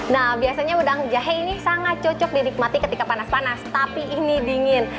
nah biasanya udang jahe ini sangat cocok dinikmati ketika panas panas tapi ini dingin